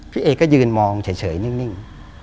พี่เอก็ยืนมองเฉยนิ่ง